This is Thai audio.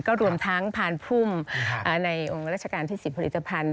รวมทั้งพานพุ่มในองค์ราชการที่๑๐ผลิตภัณฑ์